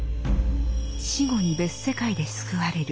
「死後に別世界で救われる」